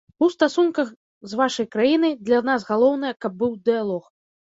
У стасунках з вашай краінай для нас галоўнае, каб быў дыялог.